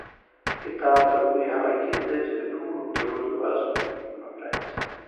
کتاب د پوهې هغه کلۍ ده چې د ټولو تړلو دروازو قلفونه پرانیزي.